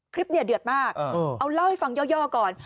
เนี่ยเดือดมากเอาเล่าให้ฟังย่อก่อน